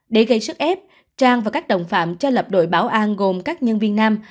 để gây sức ép trang và các đồng phạm cho lập đội bảo an gồm các nhân viên nam